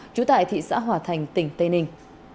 chủ tại thị xã hòa thành tỉnh tây ninh